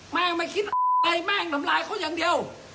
แม่งไม่คิดอะไรแม่งทำร้ายเขาอย่างเดียว